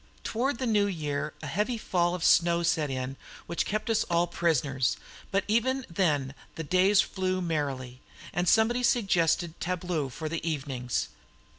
Toward New Year a heavy fall of snow set in which kept us all prisoners; but even then the days flew merrily, and somebody suggested tableaux for the evenings.